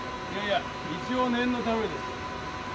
いやいや一応念のためです。